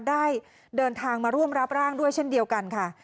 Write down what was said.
ได้เดินทางมาร่วมรับร่างด้วยเช่นเดียวกันค่ะ